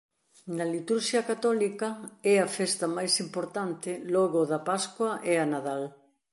Na liturxia católica é a festa máis importante logo da Pascua e a Nadal.